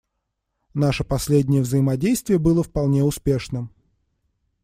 Наше последнее взаимодействие было вполне успешным.